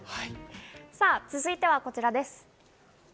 続いてはこちらです。